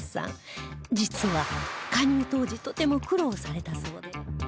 実は加入当時とても苦労されたそうで